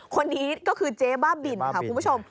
คนนี้ก็คือเจ๊บ้าบินค่ะคุณผู้ชม